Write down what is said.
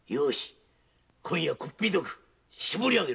今夜こっぴどく絞りあげろ。